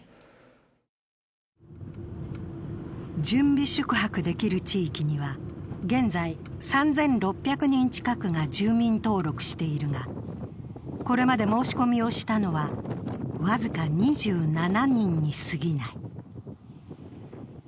準備宿泊できる地域には現在３６００人近くが住民登録しているがこれまで申し込みをしたのは僅か２７人にすぎない。